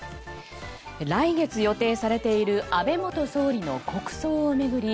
来月予定されている安倍元総理の国葬を巡り